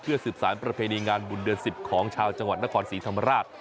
สืบสารประเพณีงานบุญเดือน๑๐ของชาวจังหวัดนครศรีธรรมราช